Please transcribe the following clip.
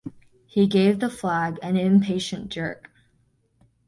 He gave the flag an impatient jerk.